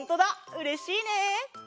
うれしいね！